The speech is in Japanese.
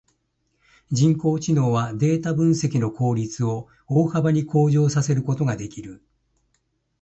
人工知能はデータ分析の効率を大幅に向上させることができる。